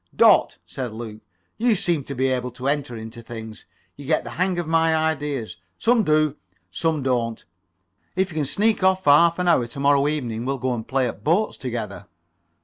"Dot," said Luke, "you seem to be able to enter into [Pg 17]things. You get the hang of my ideas. Some do, some don't. If you can sneak off for half an hour to morrow evening we'll go and play at boats together."